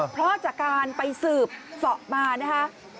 เพราะจากการไปสืบสอบมานะคะ